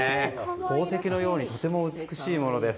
宝石のように美しいものです。